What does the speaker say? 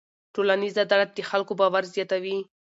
ټولنیز عدالت د خلکو باور زیاتوي.